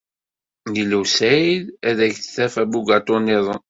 Lila u Saɛid ad ak-d-taf abugaṭu niḍen.